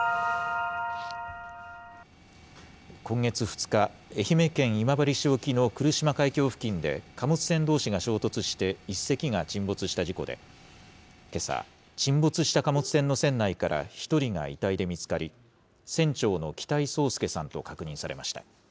今月２日、愛媛県今治市沖の来島海峡付近で、貨物船どうしが衝突して、１隻が沈没した事故で、けさ、沈没した貨物船の船内から１人が遺体で見つかり、船長の北井宗祐さんと確認されました。